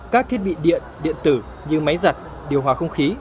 các thiết bị điện điện tử như máy giặt điều hòa không khí